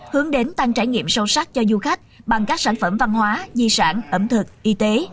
hướng đến tăng trải nghiệm sâu sắc cho du khách bằng các sản phẩm văn hóa di sản ẩm thực y tế